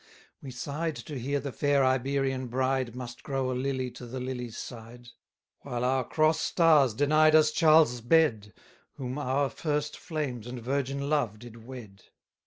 We sigh'd to hear the fair Iberian bride Must grow a lily to the lily's side; While our cross stars denied us Charles' bed, Whom our first flames and virgin love did wed.